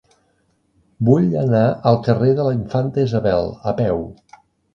Vull anar al carrer de la Infanta Isabel a peu.